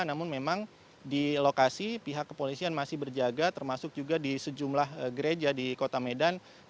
namun memang di lokasi pihak kepolisian masih berjaga termasuk juga di sejumlah gereja di kota medan